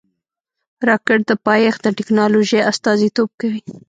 راکټ د پایښت د ټېکنالوژۍ استازیتوب کوي